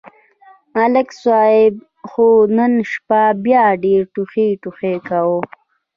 ملک صاحب خو نن شپه بیا ډېر ټوخ ټوخ کاوه